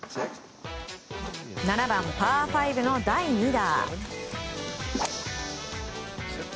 ７番、パー５の第２打。